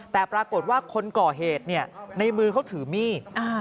แต่ปรากฏว่าคนก่อเหตุในมือเขาถือมีด